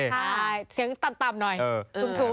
ใช่เสียงต่ำหน่อยทุ่ม